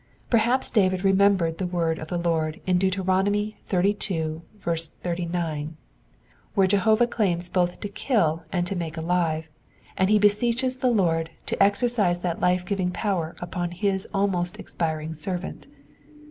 Perhaps David remembered the word of the Lord in Deut. xxxii. 89, where Jehovah claims both to kill and to make alive, and he beseeches the Lord to exercise that life giving power upon his almost expiring servant.